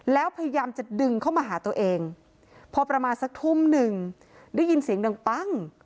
แล้วพยายามจะดึงเข้ามาหาตัวเองพอประมาณสักทุ่มหนึ่งได้ยินเสียงดังปั้ง